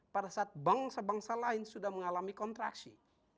pada saat bangsa bangsa lain sudah mengalami kontraksi